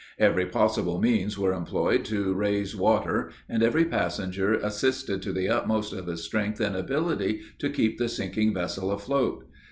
Every possible means were employed to raise water, and every passenger assisted to the utmost of his strength and ability to keep the sinking vessel afloat.